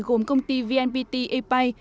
gồm công ty vnpt a pay